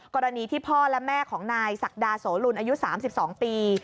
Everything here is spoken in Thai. กรณีที่พ่อและแม่ของนายศักดาโสลุนอายุ๓๒ปี